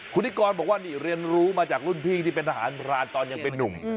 คุณนิกรบอกว่านี่เรียนรู้มาจากรุ่นพี่ที่เป็นทหารพรานตอนยังเป็นนุ่ม